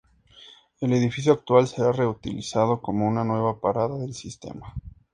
El edificio actual será reutilizado como una nueva parada del sistema.